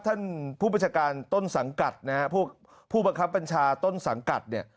ท่านผู้ประชาการต้นสังกัดนะฮะผู้บังคับบัญชาต้นสังกัดเนี่ย